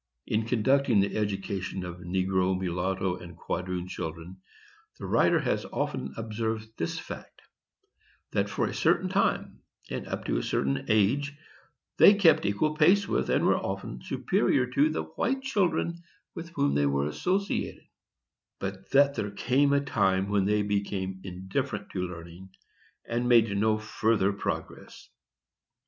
In conducting the education of negro, mulatto and quadroon children, the writer has often observed this fact:—that, for a certain time, and up to a certain age, they kept equal pace with, and were often superior to, the white children with whom they were associated; but that there came a time when they became indifferent to learning, and made no further progress.